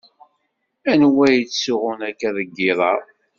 Anwa yettsuɣun akka deg iḍ-a?